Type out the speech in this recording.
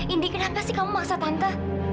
indi kenapa sih kamu maksa tante